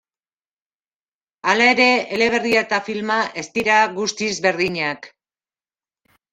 Hala ere, eleberria eta filma ez dira guztiz berdinak.